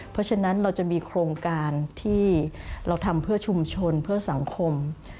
เพราะฉะนั้นเราจะมีโครงการที่เราทำเพื่อชุมชนเพื่อสังคม